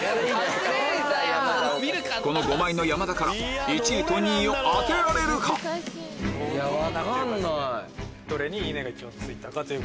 この５枚の山田から１位と２位を当てられるか⁉分かんない。